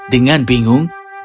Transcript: dengan bingung belle menangis